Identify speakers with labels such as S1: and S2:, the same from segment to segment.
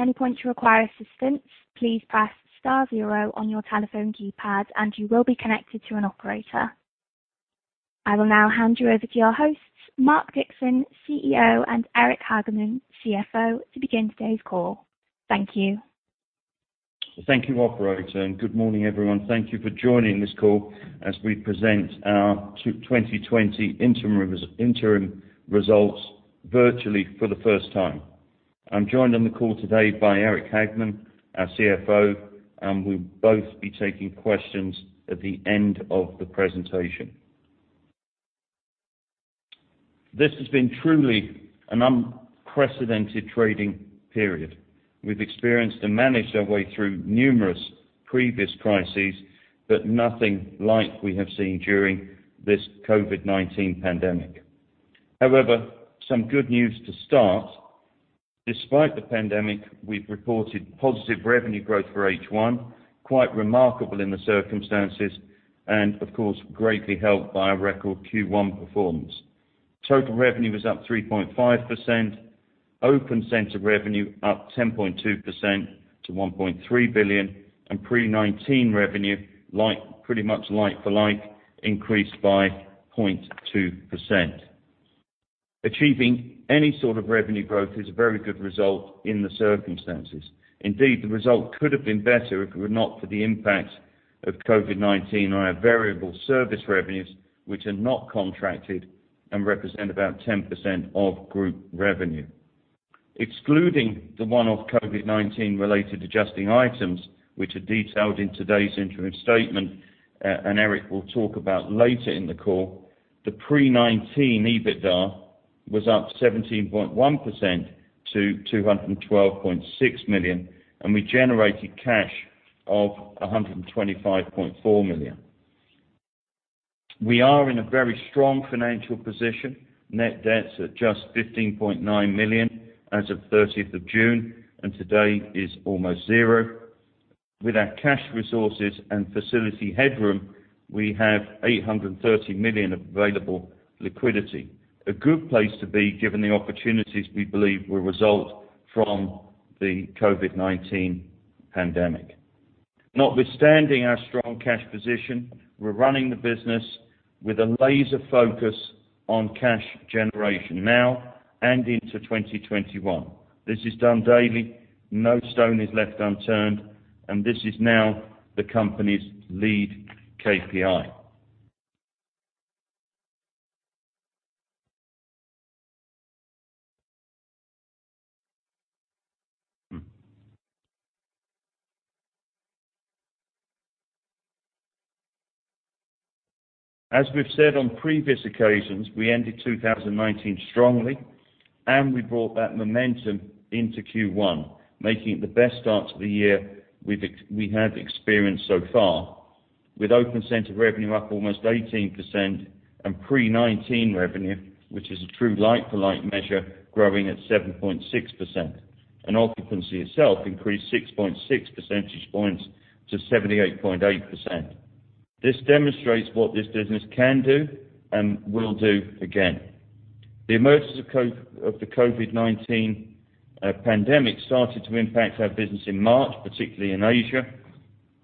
S1: If at any point you require assistance, please press star zero on your telephone keypad and you will be connected to an operator. I will now hand you over to our hosts, Mark Dixon, CEO, and Eric Hageman, CFO, to begin today's call. Thank you.
S2: Thank you, Operator, and good morning, everyone. Thank you for joining this call as we present our 2020 interim results virtually for the first time. I'm joined on the call today by Eric Hageman, our CFO, and we'll both be taking questions at the end of the presentation. This has been truly an unprecedented trading period. We've experienced and managed our way through numerous previous crises, but nothing like we have seen during this COVID-19 pandemic. However, some good news to start. Despite the pandemic, we've reported positive revenue growth for H1, quite remarkable in the circumstances, and of course, greatly helped by a record Q1 performance. Total revenue was up 3.5%, open center revenue up 10.2% to 1.3 billion, and pre-2019 revenue, pretty much like-for-like, increased by 0.2%. Achieving any sort of revenue growth is a very good result in the circumstances. The result could have been better if it were not for the impact of COVID-19 on our variable service revenues, which are not contracted and represent about 10% of group revenue. Excluding the one-off COVID-19 related adjusting items, which are detailed in today's interim statement, and Eric will talk about later in the call, the pre-COVID-19 EBITDA was up 17.1% to 212.6 million, and we generated cash of 125.4 million. We are in a very strong financial position. Net debt's at just 15.9 million as of 30th of June, and today is almost zero. With our cash resources and facility headroom, we have 830 million available liquidity. A good place to be given the opportunities we believe will result from the COVID-19 pandemic. Notwithstanding our strong cash position, we're running the business with a laser focus on cash generation now and into 2021. This is done daily, no stone is left unturned, and this is now the company's lead KPI. As we've said on previous occasions, we ended 2019 strongly, and we brought that momentum into Q1, making it the best start to the year we have experienced so far, with open center revenue up almost 18% and pre-COVID-19 revenue, which is a true like-for-like measure, growing at 7.6%. Occupancy itself increased 6.6 percentage points to 78.8%. This demonstrates what this business can do and will do again. The emergence of the COVID-19 pandemic started to impact our business in March, particularly in Asia,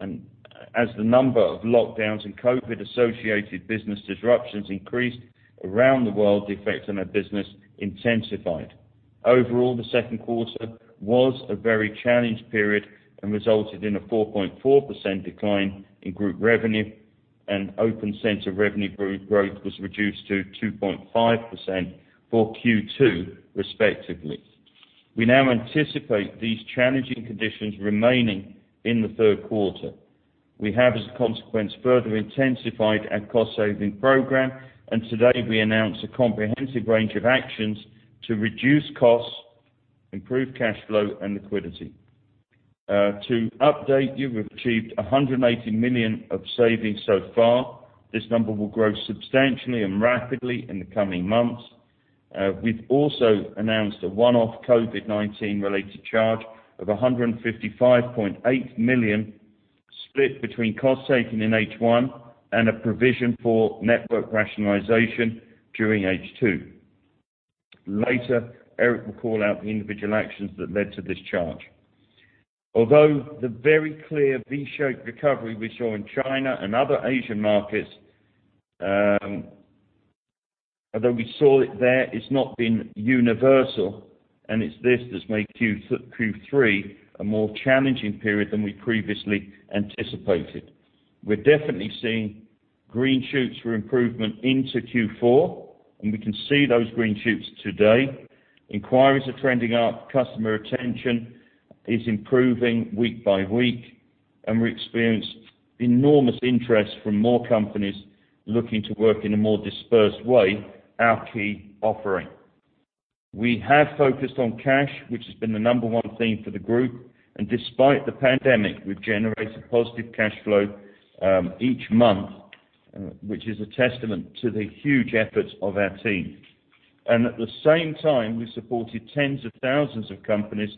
S2: and as the number of lockdowns and COVID-associated business disruptions increased around the world, the effect on our business intensified. Overall, the second quarter was a very challenged period and resulted in a 4.4% decline in group revenue and open center revenue growth was reduced to 2.5% for Q2, respectively. We now anticipate these challenging conditions remaining in the third quarter. We have, as a consequence, further intensified our cost-saving program. Today we announce a comprehensive range of actions to reduce costs, improve cash flow, and liquidity. To update you, we've achieved 180 million of savings so far. This number will grow substantially and rapidly in the coming months. We've also announced a one-off COVID-19 related charge of 155.8 million split between cost saving in H1 and a provision for network rationalization during H2. Later, Eric will call out the individual actions that led to this charge. The very clear V-shaped recovery we saw in China and other Asian markets, although we saw it there, it's not been universal, and it's this that's made Q3 a more challenging period than we previously anticipated. We're definitely seeing green shoots for improvement into Q4, and we can see those green shoots today. Inquiries are trending up, customer retention is improving week by week, and we experience enormous interest from more companies looking to work in a more dispersed way, our key offering. We have focused on cash, which has been the number one theme for the group, and despite the pandemic, we've generated positive cash flow each month, which is a testament to the huge efforts of our team. At the same time, we supported tens of thousands of companies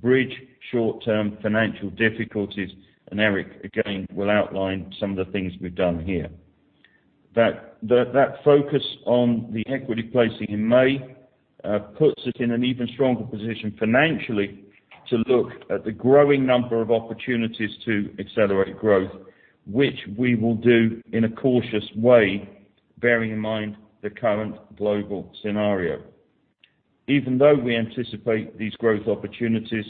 S2: bridge short-term financial difficulties, and Eric, again, will outline some of the things we've done here. That focus on the equity placing in May puts us in an even stronger position financially to look at the growing number of opportunities to accelerate growth, which we will do in a cautious way, bearing in mind the current global scenario. Even though we anticipate these growth opportunities,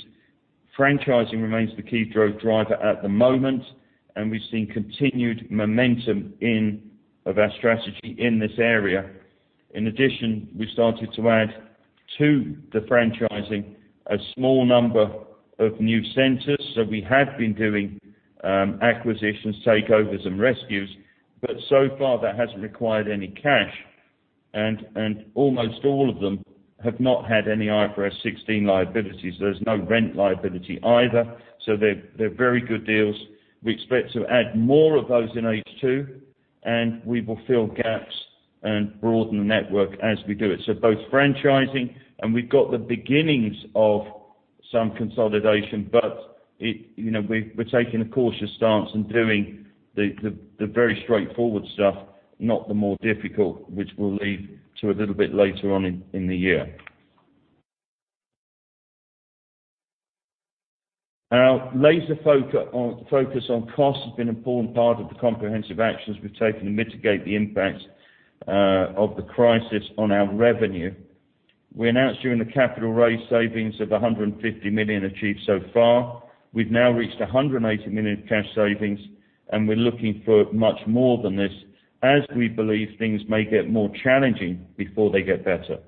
S2: franchising remains the key growth driver at the moment, and we've seen continued momentum of our strategy in this area. In addition, we started to add to the franchising a small number of new centers. We have been doing acquisitions, takeovers, and rescues, but so far that hasn't required any cash and almost all of them have not had any IFRS 16 liabilities. There's no rent liability either, so they're very good deals. We expect to add more of those in H2. We will fill gaps and broaden the network as we do it. Both franchising and we've got the beginnings of some consolidation, but we're taking a cautious stance and doing the very straightforward stuff, not the more difficult, which we'll leave to a little bit later on in the year. Our laser focus on cost has been an important part of the comprehensive actions we've taken to mitigate the impact of the crisis on our revenue. We announced during the capital raise savings of 150 million achieved so far. We've now reached 180 million of cash savings, and we're looking for much more than this as we believe things may get more challenging before they get better.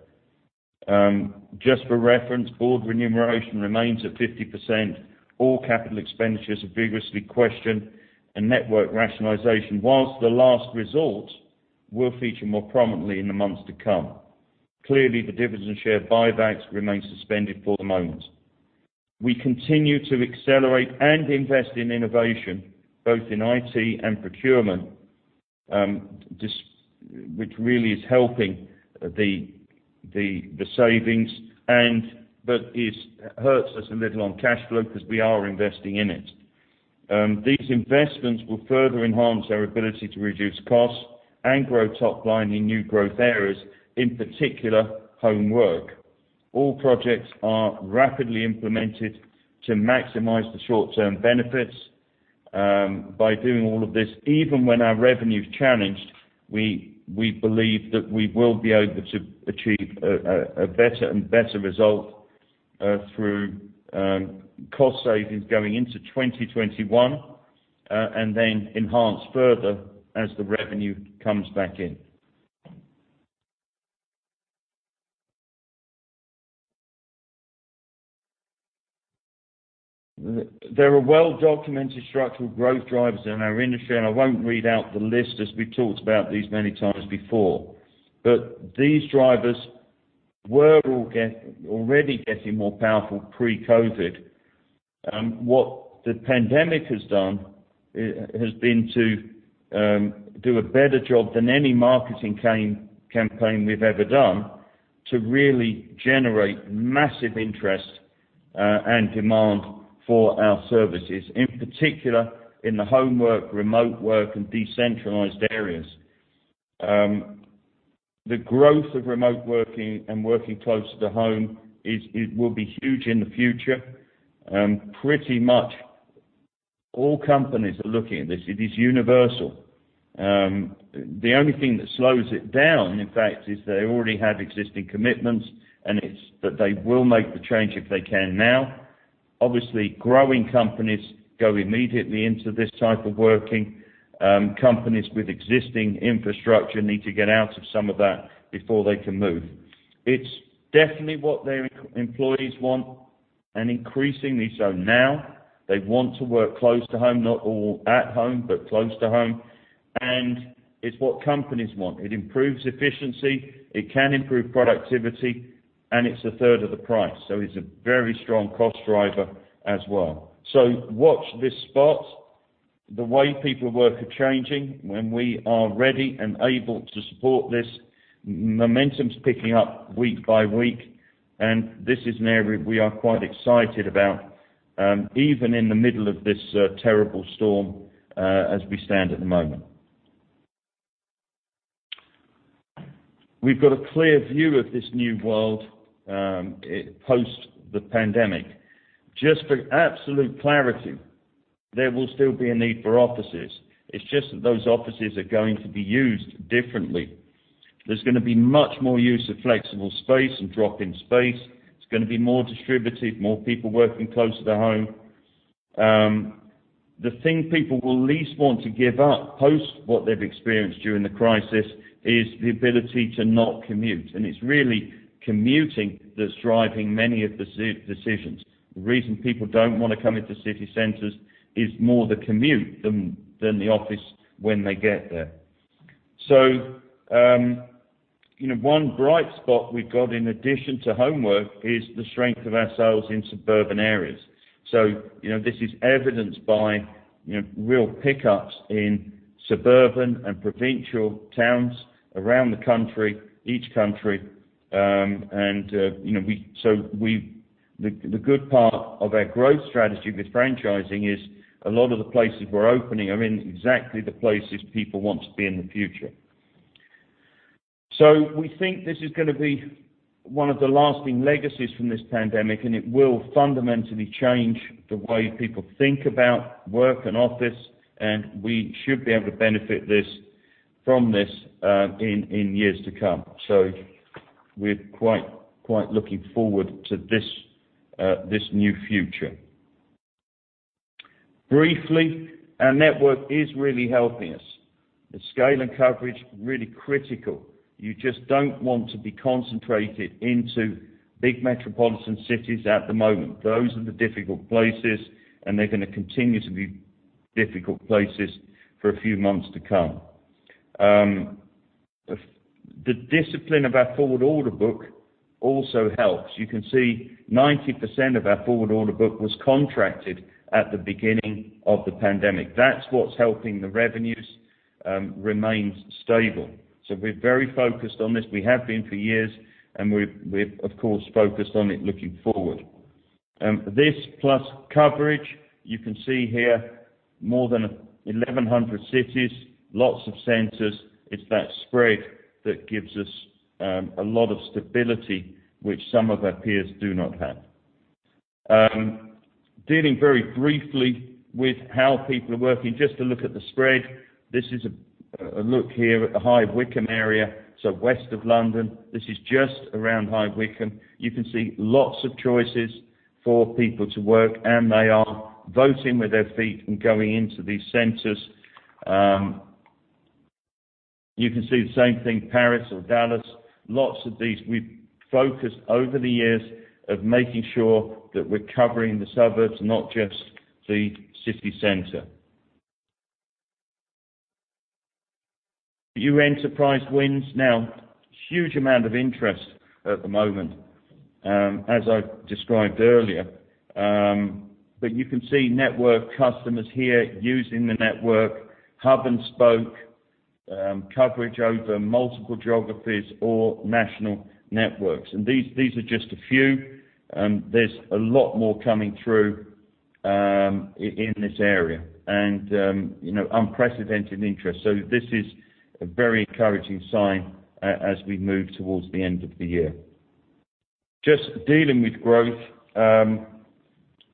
S2: Just for reference, board remuneration remains at 50%, all capital expenditures are vigorously questioned, and network rationalization, while the last result will feature more prominently in the months to come. The dividend share buybacks remain suspended for the moment. We continue to accelerate and invest in innovation, both in IT and procurement which really is helping the savings but it hurts us a little on cash flow because we are investing in it. These investments will further enhance our ability to reduce costs and grow top-line in new growth areas, in particular homework. All projects are rapidly implemented to maximize the short-term benefits. By doing all of this, even when our revenue is challenged, we believe that we will be able to achieve a better and better result through cost savings going into 2021, and then enhance further as the revenue comes back in. There are well-documented structural growth drivers in our industry, I won't read out the list as we talked about these many times before. These drivers were already getting more powerful pre-COVID. What the pandemic has done has been to do a better job than any marketing campaign we've ever done to really generate massive interest and demand for our services, in particular in the homework, remote work, and decentralized areas. The growth of remote working and working closer to home will be huge in the future. Pretty much all companies are looking at this. It is universal. The only thing that slows it down, in fact, is they already have existing commitments, it's that they will make the change if they can now. Obviously, growing companies go immediately into this type of working. Companies with existing infrastructure need to get out of some of that before they can move. It's definitely what their employees want and increasingly so now. They want to work close to home, not all at home, but close to home. It's what companies want. It improves efficiency, it can improve productivity, and it's a third of the price. It's a very strong cost driver as well. Watch this spot. The way people work are changing. When we are ready and able to support this, momentum is picking up week by week, and this is an area we are quite excited about, even in the middle of this terrible storm as we stand at the moment. We've got a clear view of this new world post the pandemic. Just for absolute clarity, there will still be a need for offices. It's just that those offices are going to be used differently. There's going to be much more use of flexible space and drop-in space. It's going to be more distributed, more people working closer to home. The thing people will least want to give up post what they've experienced during the crisis is the ability to not commute, and it's really commuting that's driving many of the decisions. The reason people don't want to come into city centers is more the commute than the office when they get there. One bright spot we've got in addition to homework is the strength of our sales in suburban areas. This is evidenced by real pickups in suburban and provincial towns around the country, each country. The good part of our growth strategy with franchising is a lot of the places we're opening are in exactly the places people want to be in the future. We think this is going to be one of the lasting legacies from this pandemic, and it will fundamentally change the way people think about work and office, and we should be able to benefit from this in years to come. We're quite looking forward to this new future. Briefly, our network is really helping us. The scale and coverage, really critical. You just don't want to be concentrated into big metropolitan cities at the moment. Those are the difficult places, and they're going to continue to be difficult places for a few months to come. The discipline of our forward order book also helps. You can see 90% of our forward order book was contracted at the beginning of the pandemic. That's what's helping the revenues remain stable. We're very focused on this. We have been for years, and we're, of course, focused on it looking forward. This plus coverage, you can see here more than 1,100 cities, lots of centers. It's that spread that gives us a lot of stability which some of our peers do not have. Dealing very briefly with how people are working, just to look at the spread. This is a look here at the High Wycombe area, so west of London. This is just around High Wycombe. You can see lots of choices for people to work, and they are voting with their feet and going into these centers. You can see the same thing, Paris or Dallas, lots of these. We've focused over the years of making sure that we're covering the suburbs, not just the city center. New enterprise wins. Huge amount of interest at the moment, as I described earlier. You can see network customers here using the network, hub and spoke coverage over multiple geographies or national networks. These are just a few. There's a lot more coming through in this area, and unprecedented interest. This is a very encouraging sign as we move towards the end of the year. Just dealing with growth.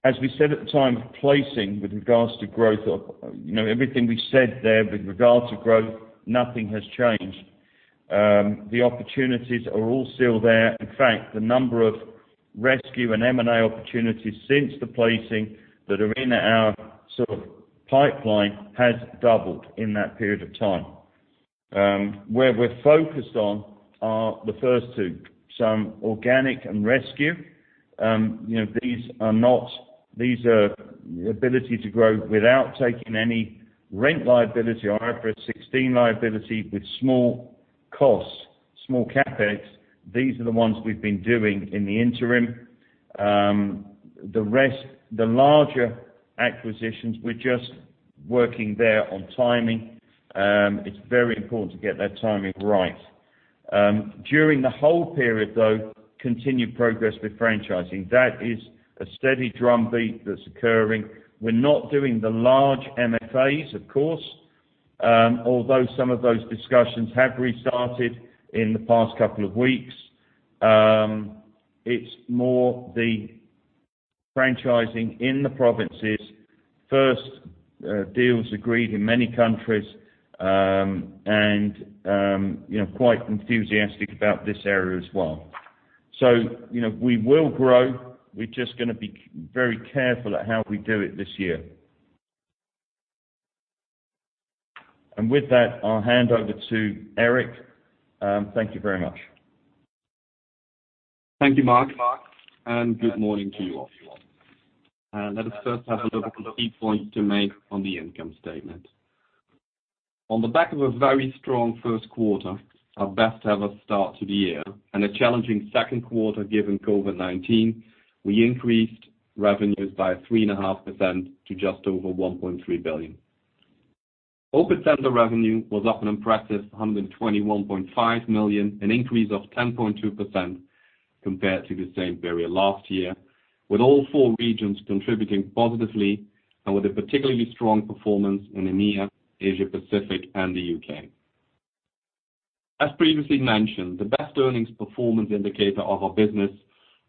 S2: As we said at the time of placing with regards to growth, everything we said there with regard to growth, nothing has changed. The opportunities are all still there. In fact, the number of rescue and M&A opportunities since the placing that are in our pipeline has doubled in that period of time. Where we're focused on are the first two, organic and rescue. These are ability to grow without taking any rent liability or IFRS 16 liability with small costs, small CapEx. These are the ones we've been doing in the interim. The rest, the larger acquisitions, we're just working there on timing. It's very important to get that timing right. During the whole period, though, continued progress with franchising. That is a steady drumbeat that's occurring. We're not doing the large MFAs, of course, although some of those discussions have restarted in the past couple of weeks. It's more the franchising in the provinces. First deals agreed in many countries, and quite enthusiastic about this area as well. We will grow. We're just going to be very careful at how we do it this year. With that, I'll hand over to Eric. Thank you very much.
S3: Thank you, Mark, and good morning to you all. Let us first have a look at a few points to make on the income statement. On the back of a very strong first quarter, our best ever start to the year, and a challenging second quarter given COVID-19, we increased revenues by 3.5% to just over 1.3 billion. Open center revenue was up an impressive 121.5 million, an increase of 10.2% compared to the same period last year, with all four regions contributing positively and with a particularly strong performance in EMEA, Asia Pacific and the U.K. As previously mentioned, the best earnings performance indicator of our business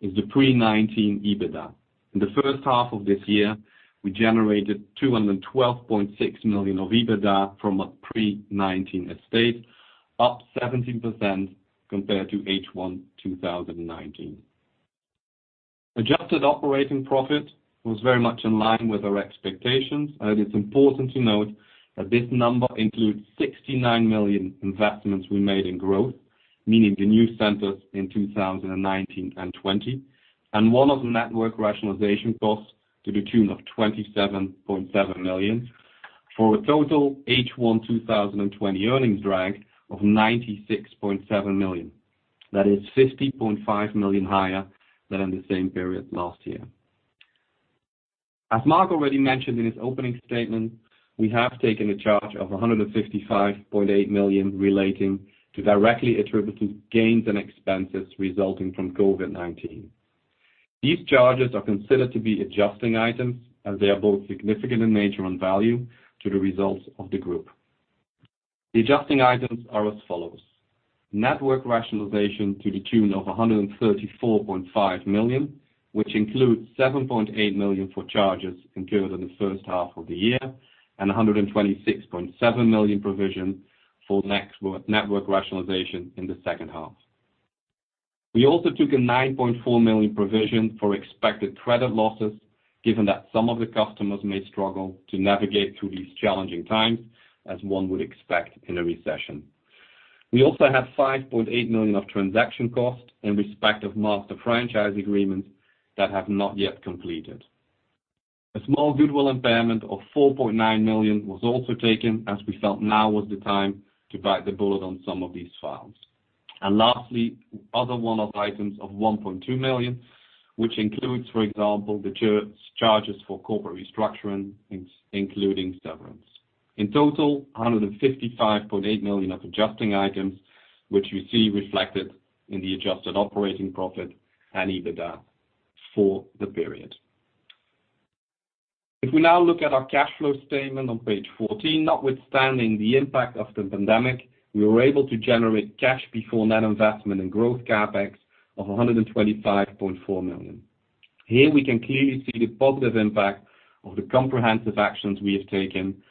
S3: is the pre-2019 EBITDA. In the first half of this year, we generated 212.6 million of EBITDA from a pre-2019 estate, up 17% compared to H1 2019. Adjusted operating profit was very much in line with our expectations, and it is important to note that this number includes 69 million investments we made in growth, meaning the new centers in 2019 and 2020, and one-off network rationalization costs to the tune of 27.7 million, for a total H1 2020 earnings drag of 96.7 million. That is 50.5 million higher than in the same period last year. As Mark already mentioned in his opening statement, we have taken a charge of 155.8 million relating to directly attributed gains and expenses resulting from COVID-19. These charges are considered to be adjusting items as they are both significant in nature and value to the results of the group. The adjusting items are as follows. Network rationalization to the tune of 134.5 million, which includes 7.8 million for charges incurred in the first half of the year and 126.7 million provision for network rationalization in the second half. We also took a 9.4 million provision for expected credit losses given that some of the customers may struggle to navigate through these challenging times, as one would expect in a recession. We also have 5.8 million of transaction costs in respect of Master Franchise Agreements that have not yet completed. A small goodwill impairment of 4.9 million was also taken as we felt now was the time to bite the bullet on some of these files. Lastly, other one-off items of 1.2 million, which includes, for example, the charges for corporate restructuring, including severance. In total, 155.8 million of adjusting items, which you see reflected in the adjusted operating profit and EBITDA for the period. If we now look at our cash flow statement on page 14, notwithstanding the impact of the pandemic, we were able to generate cash before net investment in growth CapEx of 125.4 million. Here we can clearly see the positive impact of the comprehensive actions we have taken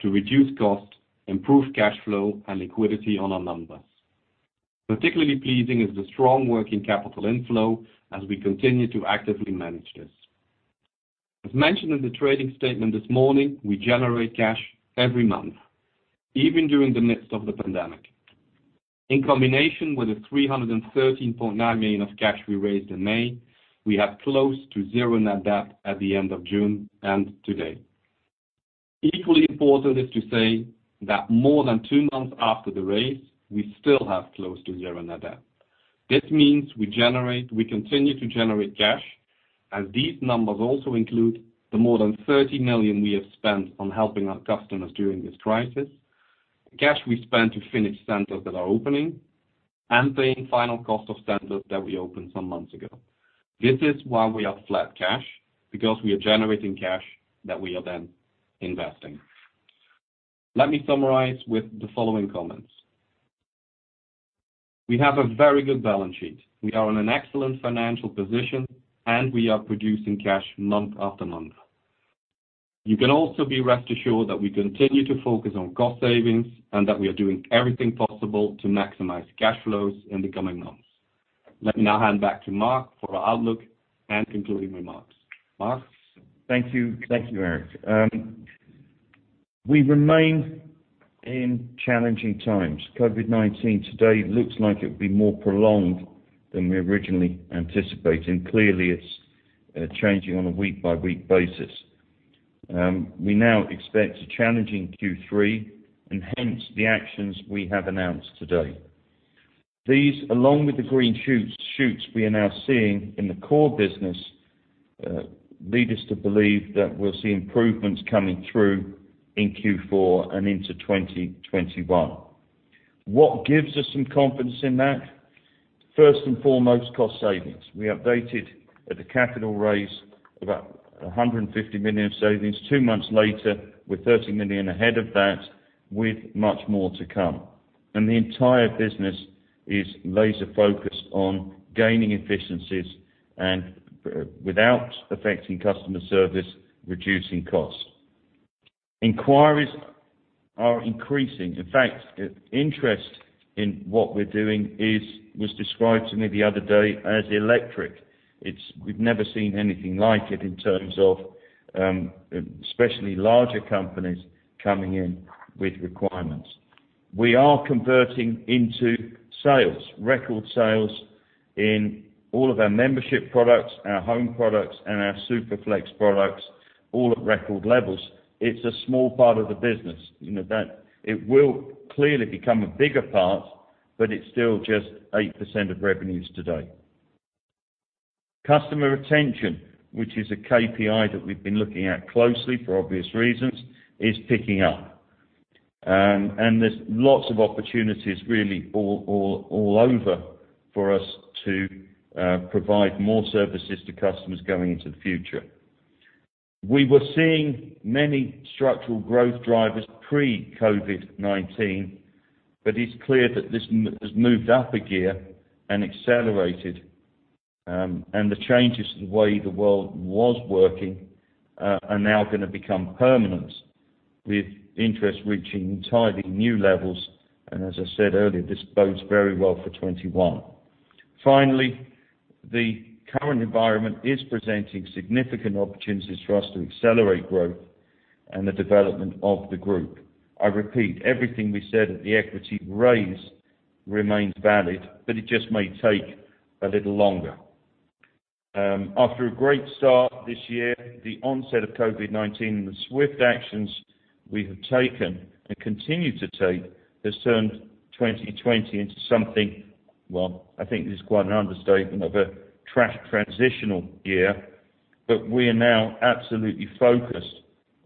S3: to reduce costs, improve cash flow, and liquidity on our numbers. Particularly pleasing is the strong working capital inflow as we continue to actively manage this. As mentioned in the trading statement this morning, we generate cash every month, even during the midst of the pandemic. In combination with the 313.9 million of cash we raised in May, we have close to zero net debt at the end of June and today. Equally important is to say that more than two months after the raise, we still have close to zero net debt. This means we continue to generate cash, as these numbers also include the more than 30 million we have spent on helping our customers during this crisis, cash we spent to finish centers that are opening, and paying final cost of centers that we opened some months ago. This is why we have flat cash, because we are generating cash that we are then investing. Let me summarize with the following comments. We have a very good balance sheet. We are in an excellent financial position, and we are producing cash month after month. You can also be rest assured that we continue to focus on cost savings and that we are doing everything possible to maximize cash flows in the coming months. Let me now hand back to Mark for our outlook and concluding remarks. Mark?
S2: Thank you, Eric. We remain in challenging times. COVID-19 today looks like it will be more prolonged than we originally anticipated, and clearly it's changing on a week-by-week basis. We now expect a challenging Q3 and hence the actions we have announced today. These, along with the green shoots we are now seeing in the core business, lead us to believe that we'll see improvements coming through in Q4 and into 2021. What gives us some confidence in that? First and foremost, cost savings. We updated at the capital raise about 150 million of savings. Two months later, we're 30 million ahead of that, with much more to come. The entire business is laser focused on gaining efficiencies and, without affecting customer service, reducing costs. Inquiries are increasing. In fact, interest in what we're doing was described to me the other day as electric. We've never seen anything like it in terms of especially larger companies coming in with requirements. We are converting into sales, record sales in all of our membership products, our home products, and our Superflex products, all at record levels. It's a small part of the business. It will clearly become a bigger part, but it's still just 8% of revenues today. Customer retention, which is a KPI that we've been looking at closely for obvious reasons, is picking up. There's lots of opportunities really all over for us to provide more services to customers going into the future. We were seeing many structural growth drivers pre-COVID-19, but it's clear that this has moved up a gear and accelerated, and the changes to the way the world was working are now going to become permanent with interest reaching entirely new levels. As I said earlier, this bodes very well for 2021. Finally, the current environment is presenting significant opportunities for us to accelerate growth and the development of the group. I repeat, everything we said at the equity raise remains valid, but it just may take a little longer. After a great start this year, the onset of COVID-19 and the swift actions we have taken, and continue to take, has turned 2020 into something, well, I think this is quite an understatement, of a transitional year. We are now absolutely focused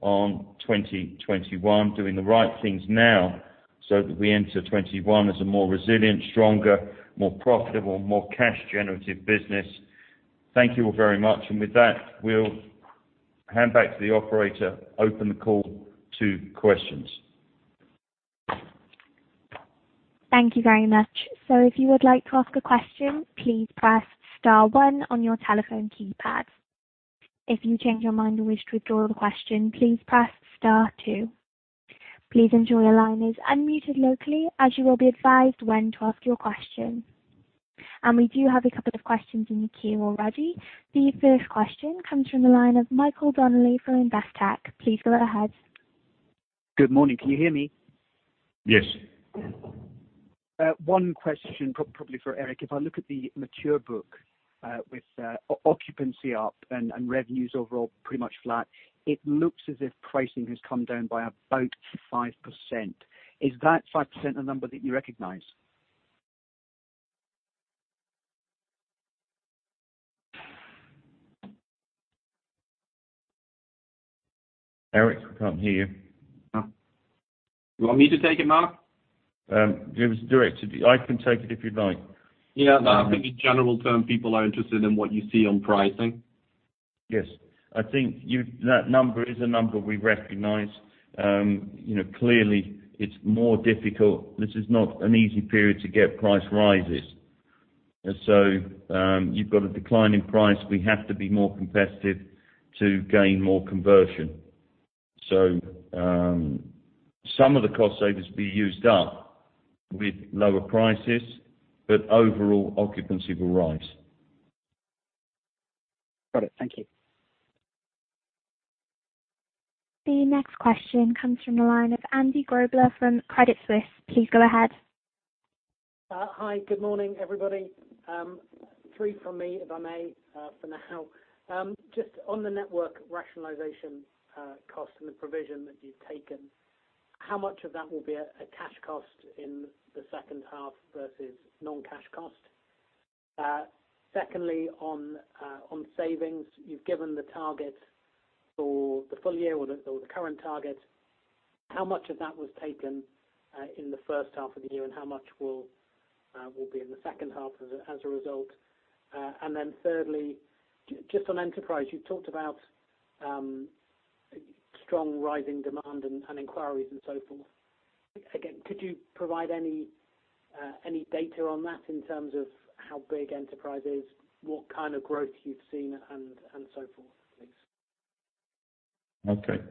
S2: on 2021, doing the right things now so that we enter 2021 as a more resilient, stronger, more profitable, more cash-generative business. Thank you all very much. With that, we'll hand back to the operator, open the call to questions.
S1: Thank you very much. If you would like to ask a question, please press star one on your telephone keypad. If you change your mind and wish to withdraw the question, please press star two. Please ensure your line is unmuted locally, as you will be advised when to ask your question. We do have a couple of questions in the queue already. The first question comes from the line of Michael Donnelly from Investec. Please go ahead.
S4: Good morning. Can you hear me?
S2: Yes.
S4: One question, probably for Eric. If I look at the mature book with occupancy up and revenues overall pretty much flat, it looks as if pricing has come down by about 5%. Is that 5% a number that you recognize?
S2: Eric, we can't hear you.
S3: You want me to take it, Mark?
S2: Give us directions. I can take it if you'd like.
S3: Yeah. I think in general term, people are interested in what you see on pricing.
S2: Yes. I think that number is a number we recognize. Clearly, it's more difficult. This is not an easy period to get price rises. You've got a decline in price. We have to be more competitive to gain more conversion. Some of the cost savings will be used up with lower prices, but overall occupancy will rise.
S4: Got it. Thank you.
S1: The next question comes from the line of Andy Grobler from Credit Suisse. Please go ahead.
S5: Hi. Good morning, everybody. Three from me, if I may, for now. Just on the network rationalization cost and the provision that you've taken, how much of that will be a cash cost in the second half versus non-cash cost? Secondly, on savings, you've given the target for the full year or the current target, how much of that was taken in the first half of the year, and how much will be in the second half as a result? Thirdly, just on enterprise, you talked about strong rising demand and inquiries and so forth. Again, could you provide any data on that in terms of how big enterprise is, what kind of growth you've seen and so forth? Thanks.
S2: Okay.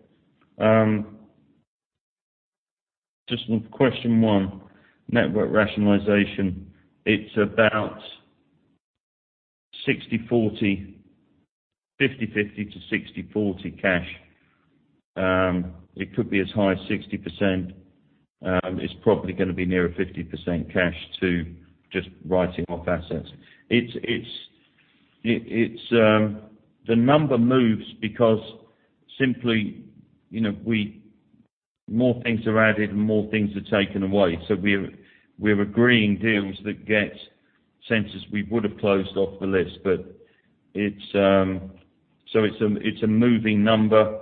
S2: Just on question one, network rationalization. It's about 60/40, 50/50 to 60/40 cash. It could be as high as 60%. It's probably going to be nearer 50% cash to just writing off assets. The number moves because simply more things are added and more things are taken away. We're agreeing deals that get centers we would have closed off the list. It's a moving number.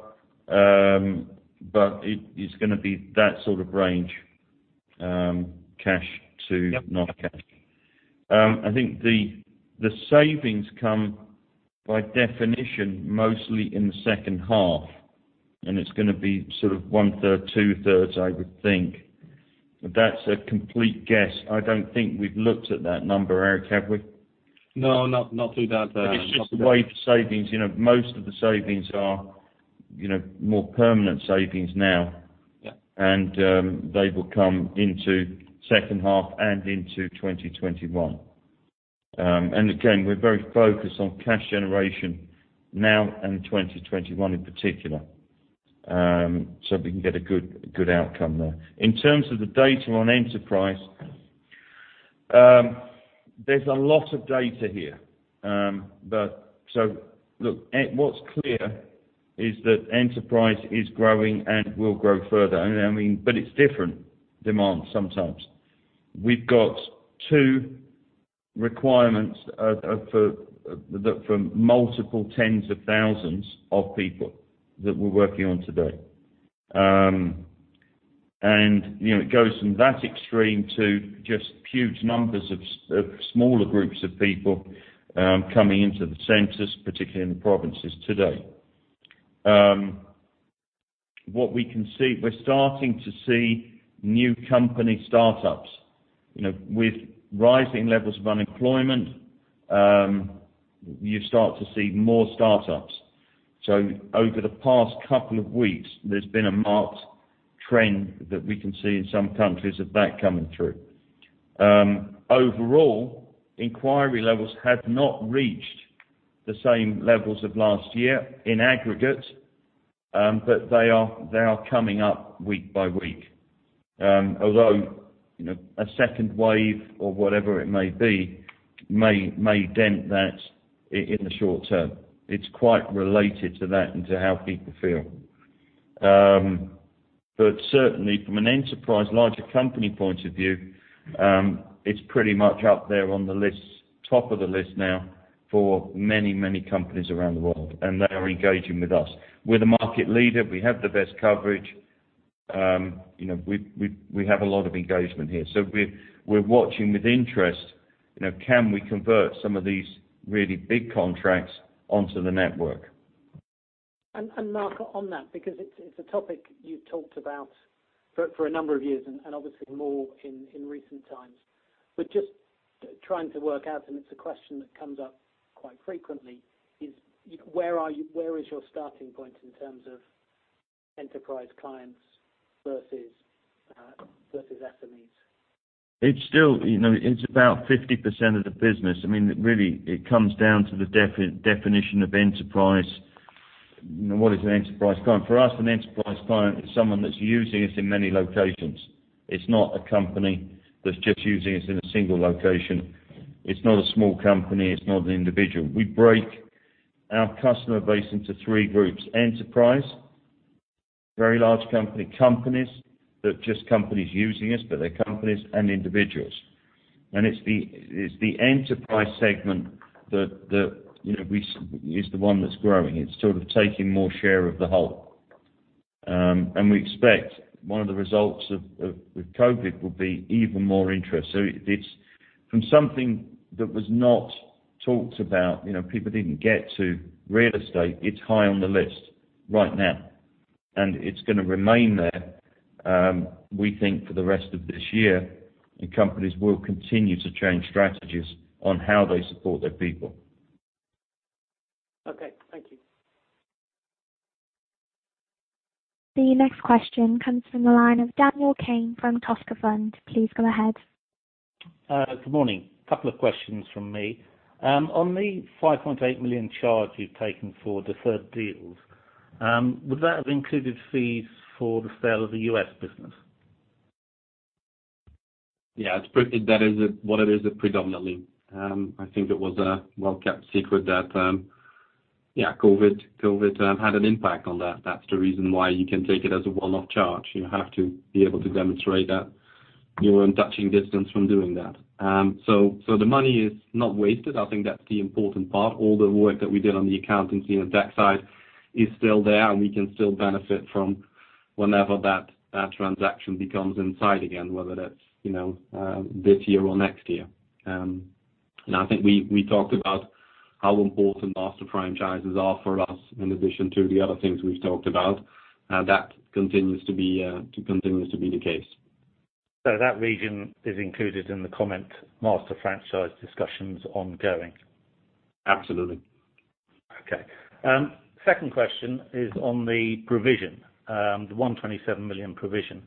S2: It's going to be that sort of range, cash to non-cash. I think the savings come by definition mostly in the second half, and it's going to be sort of 1/3, 2/3, I would think. That's a complete guess. I don't think we've looked at that number, Eric, have we?
S3: No, not through that.
S2: It's just the way for savings. Most of the savings are more permanent savings now.
S3: Yeah.
S2: They will come into second half and into 2021. Again, we're very focused on cash generation now and 2021 in particular, so we can get a good outcome there. In terms of the data on enterprise, there's a lot of data here. Look, what's clear is that enterprise is growing and will grow further. It's different demand sometimes. We've got two requirements for multiple tens of thousands of people that we're working on today. It goes from that extreme to just huge numbers of smaller groups of people coming into the centers, particularly in the provinces today. What we can see, we're starting to see new company startups. With rising levels of unemployment, you start to see more startups. Over the past couple of weeks, there's been a marked trend that we can see in some countries of that coming through. Overall, inquiry levels have not reached the same levels of last year in aggregate, but they are coming up week by week. A second wave or whatever it may be may dent that in the short term. It's quite related to that and to how people feel. Certainly from an enterprise larger company point of view, it's pretty much up there on top of the list now for many, many companies around the world, and they are engaging with us. We're the market leader. We have the best coverage. We have a lot of engagement here. We're watching with interest, can we convert some of these really big contracts onto the network?
S5: Mark, on that, because it's a topic you've talked about for a number of years and obviously more in recent times. Just trying to work out, and it's a question that comes up quite frequently, is where is your starting point in terms of enterprise clients versus SMEs?
S2: It's about 50% of the business. Really, it comes down to the definition of enterprise. What is an enterprise client? For us, an enterprise client is someone that's using us in many locations. It's not a company that's just using us in a single location. It's not a small company. It's not an individual. We break our customer base into three groups: enterprise, very large company; companies, they're just companies using us, but they're companies; and individuals. It's the enterprise segment that is the one that's growing. It's sort of taking more share of the whole. We expect one of the results of COVID-19 will be even more interest. From something that was not talked about, people didn't get to real estate, it's high on the list right now, and it's going to remain there, we think, for the rest of this year, and companies will continue to change strategies on how they support their people.
S5: Okay. Thank you.
S1: The next question comes from the line of Daniel Cane from Toscafund. Please go ahead.
S6: Good morning. Couple of questions from me. On the 5.8 million charge you've taken for deferred deals, would that have included fees for the sale of the U.S. business?
S3: That is what it is predominantly. I think it was a well-kept secret that COVID had an impact on that. That's the reason why you can take it as a one-off charge. You have to be able to demonstrate that you're in touching distance from doing that. So the money is not wasted. I think that's the important part. All the work that we did on the accountancy and debt side is still there, and we can still benefit from whenever that transaction becomes in sight again, whether that's this year or next year. I think we talked about how important master franchises are for us in addition to the other things we've talked about. That continues to be the case.
S6: That region is included in the comment Master Franchise discussions ongoing?
S3: Absolutely.
S6: Second question is on the provision, the 127 million provision.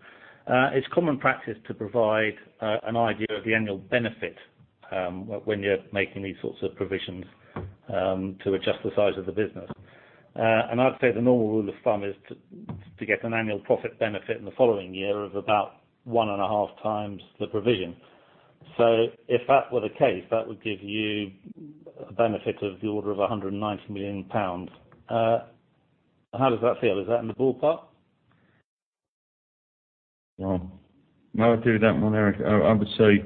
S6: It is common practice to provide an idea of the annual benefit, when you are making these sorts of provisions to adjust the size of the business. I would say the normal rule of thumb is to get an annual profit benefit in the following year of about 1.5x the provision. If that were the case, that would give you a benefit of the order of 190 million pounds. How does that feel? Is that in the ballpark?
S2: Well, may I do that one, Eric? I would say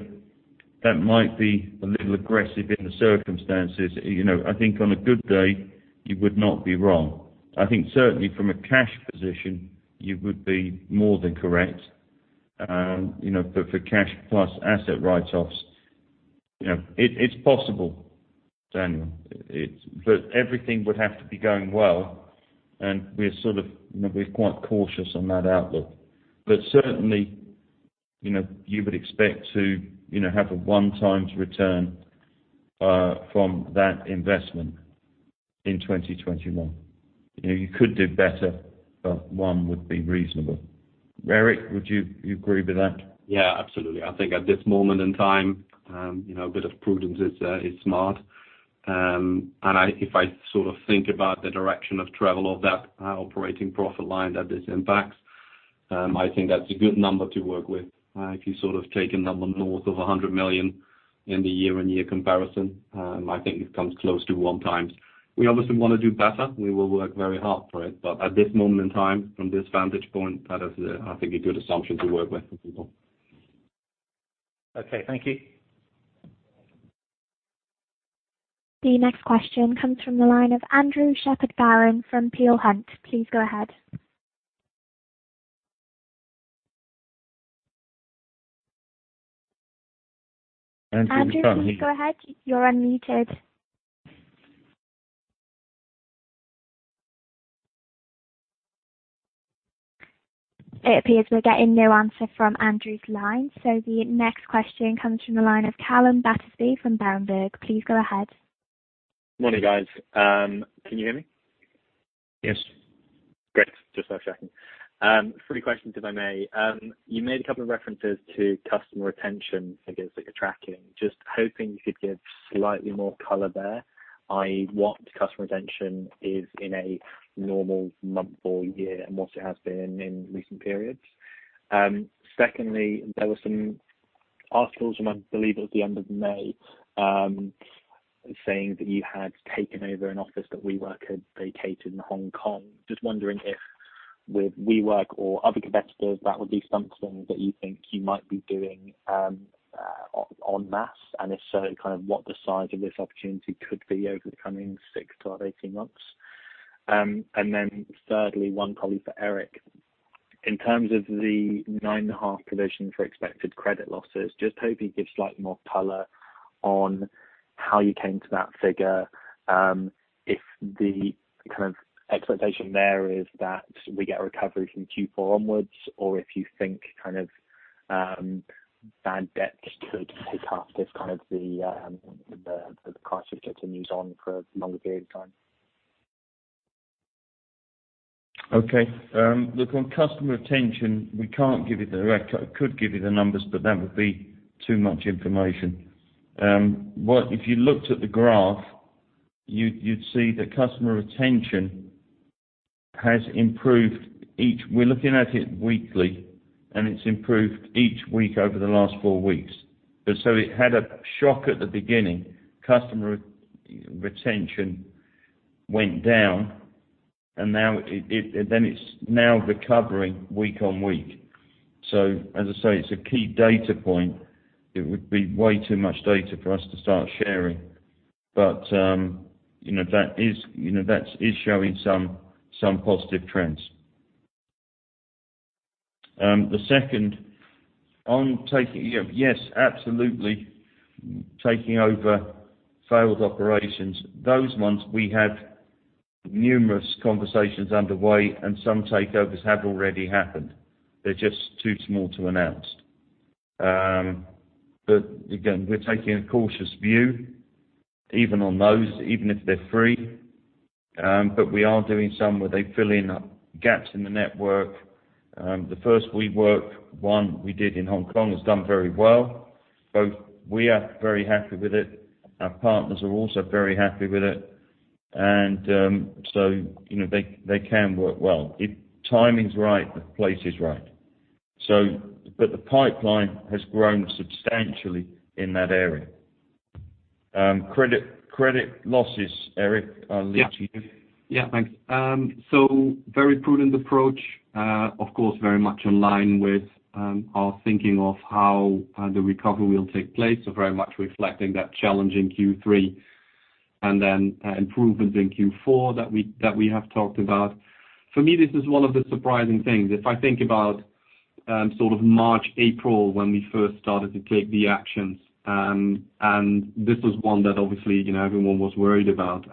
S2: that might be a little aggressive in the circumstances. I think on a good day, you would not be wrong. I think certainly from a cash position, you would be more than correct. For cash plus asset write-offs, it's possible, Daniel. Everything would have to be going well, and we're quite cautious on that outlook. Certainly, you would expect to have a 1x return from that investment in 2021. You could do better, but one would be reasonable. Eric, would you agree with that?
S3: Absolutely. I think at this moment in time, a bit of prudence is smart. If I think about the direction of travel of that operating profit line that this impacts, I think that's a good number to work with. If you take a number north of 100 million in the year-on-year comparison, I think it comes close to 1x. We obviously want to do better. We will work very hard for it. At this moment in time, from this vantage point, that is, I think, a good assumption to work with for people.
S6: Okay, thank you.
S1: The next question comes from the line of Andrew Shepherd-Barron from Peel Hunt. Please go ahead.
S2: Andrew, you can...
S1: Andrew, please go ahead. You're unmuted. It appears we're getting no answer from Andrew's line. The next question comes from the line of Calum Battersby from Berenberg. Please go ahead.
S7: Morning, guys. Can you hear me?
S2: Yes.
S7: Great. Just checking. Three questions, if I may. You made a couple of references to customer retention figures that you're tracking. Just hoping you could give slightly more color there, i.e., what customer retention is in a normal month or year and what it has been in recent periods. Secondly, there were some articles from, I believe it was the end of May, saying that you had taken over an office that WeWork had vacated in Hong Kong. Just wondering if with WeWork or other competitors, that would be something that you think you might be doing en masse, and if so, what the size of this opportunity could be over the coming 6-18 months? Thirdly, one probably for Eric. In terms of the nine and a half provision for expected credit losses, just hope you give slightly more color on how you came to that figure, if the expectation there is that we get recovery from Q4 onwards, or if you think bad debts could take off as the crisis continues on for longer period of time?
S2: Okay. Look, on customer retention, I could give you the numbers, but that would be too much information. If you looked at the graph, you'd see that customer retention has improved. We're looking at it weekly, and it's improved each week over the last four weeks. It had a shock at the beginning. Customer retention went down, and then it's now recovering week on week. As I say, it's a key data point. It would be way too much data for us to start sharing. That is showing some positive trends. The second on taking over failed operations. Yes, absolutely. Those ones, we have numerous conversations underway, and some takeovers have already happened. They're just too small to announce. Again, we're taking a cautious view even on those, even if they're free. We are doing some where they fill in gaps in the network. The first WeWork one we did in Hong Kong has done very well. Both we are very happy with it, our partners are also very happy with it. They can work well. If timing's right, the place is right. The pipeline has grown substantially in that area. Credit losses, Eric, I'll leave to you.
S3: Yeah. Thanks. Very prudent approach. Of course, very much in line with our thinking of how the recovery will take place. Very much reflecting that challenge in Q3 and then improvements in Q4 that we have talked about. For me, this is one of the surprising things. If I think about March, April, when we first started to take the actions, and this was one that obviously everyone was worried about.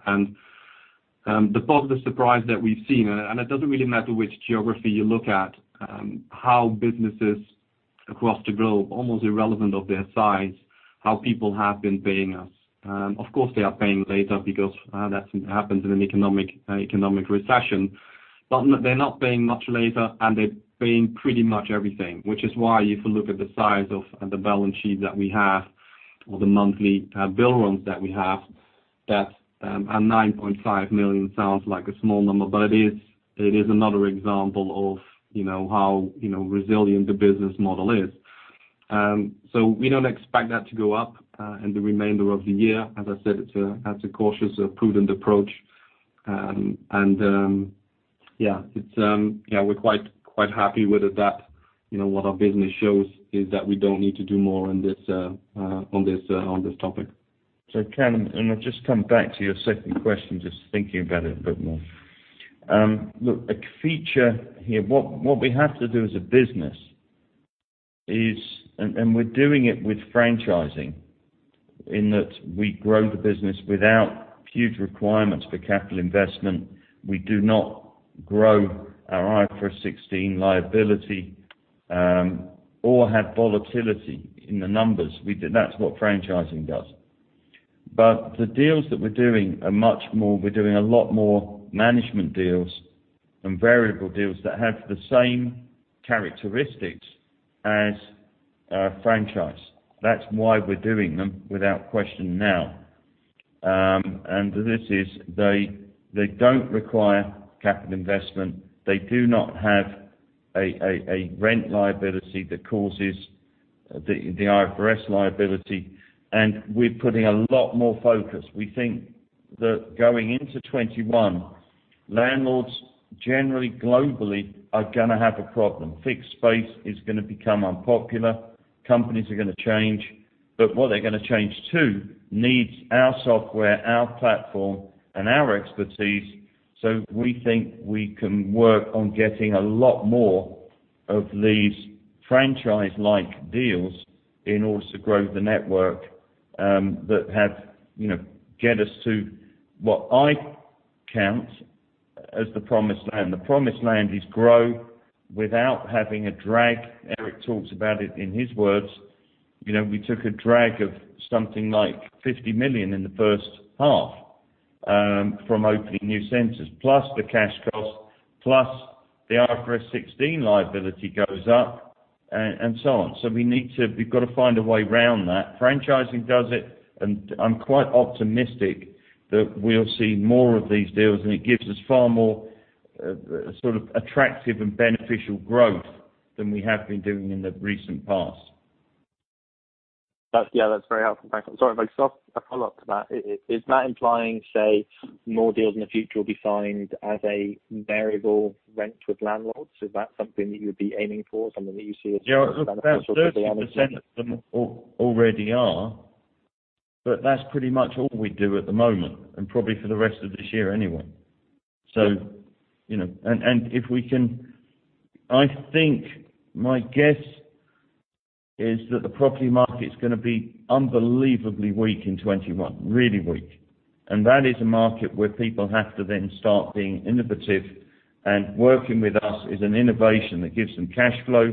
S3: The positive surprise that we've seen, and it doesn't really matter which geography you look at how businesses across the globe, almost irrelevant of their size, how people have been paying us. Of course, they are paying later because that happens in an economic recession. They're not paying much later, and they're paying pretty much everything, which is why if you look at the size of the balance sheet that we have or the monthly bill runs that we have, that and 9.5 million sounds like a small number, it is another example of how resilient the business model is. We don't expect that to go up in the remainder of the year. As I said, it's a cautious, prudent approach. Yeah, we're quite happy with it that what our business shows is that we don't need to do more on this topic.
S2: Calum, and I'll just come back to your second question, just thinking about it a bit more. A feature here, what we have to do as a business is, and we're doing it with franchising, in that we grow the business without huge requirements for capital investment. We do not grow our IFRS 16 liability or have volatility in the numbers. That's what franchising does. The deals that we're doing are much more, we're doing a lot more management deals and variable deals that have the same characteristics as a franchise. That's why we're doing them without question now. This is they don't require capital investment. They do not have a rent liability that causes the IFRS liability, and we're putting a lot more focus. We think that going into 2021, landlords generally globally are going to have a problem. Fixed space is going to become unpopular. Companies are going to change. What they're going to change to needs our software, our platform, and our expertise. We think we can work on getting a lot more of these franchise-like deals in order to grow the network that get us to what I count as the promised land. The promised land is grow without having a drag. Eric talks about it in his words. We took a drag of something like 50 million in the first half from opening new centers, plus the cash cost, plus the IFRS 16 liability goes up, and so on. We've got to find a way around that. Franchising does it, and I'm quite optimistic that we'll see more of these deals, and it gives us far more sort of attractive and beneficial growth than we have been doing in the recent past.
S7: Yeah, that's very helpful. Thanks. Sorry if I could just ask a follow-up to that. Is that implying, say, more deals in the future will be signed as a variable rent with landlords? Is that something that you would be aiming for, something that you see as beneficial for the owner group?
S2: Yeah. About 30% of them already are, but that's pretty much all we do at the moment, and probably for the rest of this year anyway. I think my guess is that the property market's going to be unbelievably weak in 2021, really weak. That is a market where people have to then start being innovative, and working with us is an innovation that gives them cash flow.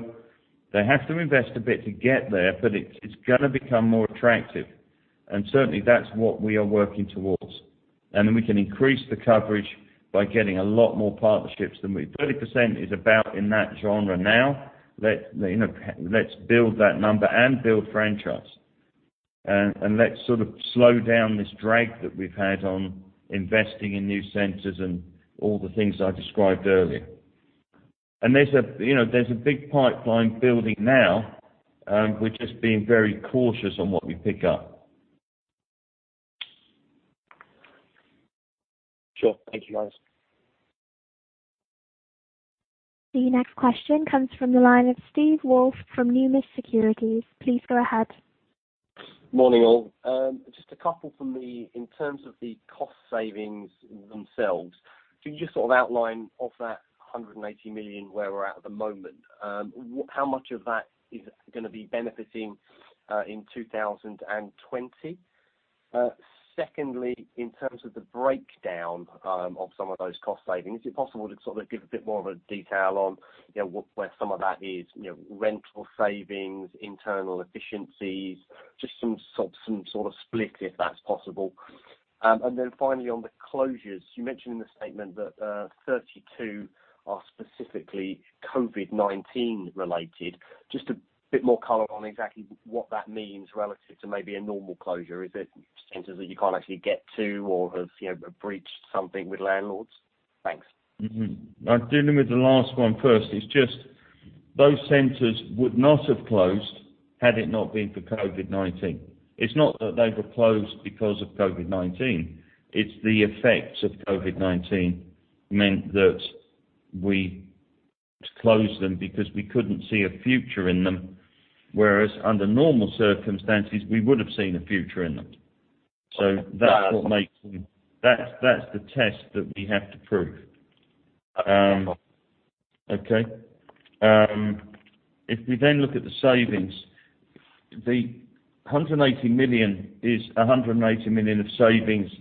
S2: They have to invest a bit to get there, it's going to become more attractive, and certainly, that's what we are working towards. Then we can increase the coverage by getting a lot more partnerships than we 30% is about in that genre now. Let's build that number and build franchise, and let's sort of slow down this drag that we've had on investing in new centers and all the things I described earlier. There's a big pipeline building now. We're just being very cautious on what we pick up.
S7: Sure. Thank you, guys.
S1: The next question comes from the line of Steve Woolf from Numis Securities. Please go ahead.
S8: Morning, all. Just a couple from me. In terms of the cost savings themselves, can you just sort of outline, off that 180 million, where we're at at the moment? How much of that is going to be benefiting in 2020? Secondly, in terms of the breakdown of some of those cost savings, is it possible to sort of give a bit more of a detail on where some of that is, rental savings, internal efficiencies, just some sort of split, if that's possible. Then finally, on the closures, you mentioned in the statement that 32 are specifically COVID-19 related. Just a bit more color on exactly what that means relative to maybe a normal closure. Is it centers that you can't actually get to or have breached something with landlords? Thanks.
S2: I'll deal with the last one first. It's just those centers would not have closed had it not been for COVID-19. It's not that they were closed because of COVID-19. It's the effects of COVID-19 meant that we had to close them because we couldn't see a future in them, whereas under normal circumstances, we would have seen a future in them. That's the test that we have to prove.
S8: Okay.
S2: Okay. If we then look at the savings, the 180 million is 180 million of savings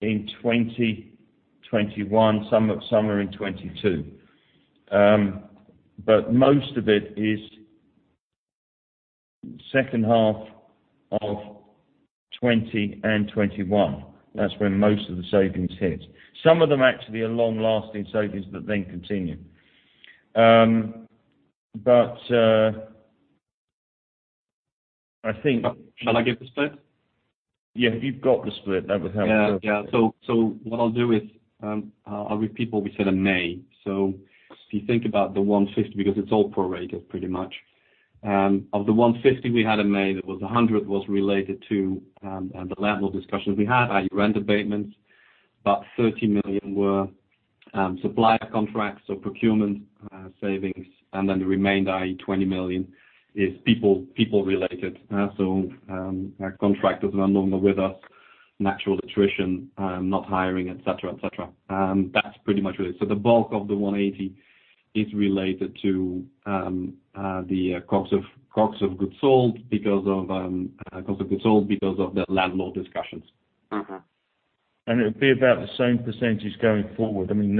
S2: in 2021, some are in 2022. Most of it is second half of 2020 and 2021. That's when most of the savings hit. Some of them actually are long-lasting savings that then continue.
S3: Shall I give the split?
S2: Yeah. If you've got the split, that would help.
S3: Yeah. What I'll do is, I'll give people we said in May. If you think about the 150, because it's all prorated pretty much. Of the 150 we had in May, there was 100 was related to the landlord discussions we had, i.e., rent abatements. About 30 million were supplier contracts, so procurement savings, and then the remainder, i.e., 20 million, is people related. Contractors who are no longer with us, natural attrition, not hiring, et cetera. That's pretty much really. The bulk of the 180 is related to the [COGS] of goods sold because of the landlord discussions.
S2: It'll be about the same percentage going forward. I mean,